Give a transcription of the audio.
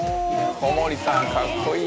小森さんかっこいい。